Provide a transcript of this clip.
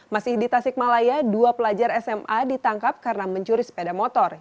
masih di tasikmalaya dua pelajar sma ditangkap karena mencuri sepeda motor